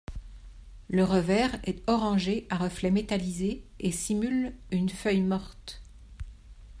Le revers est orangé à reflets métallisés et simule une feuille morte.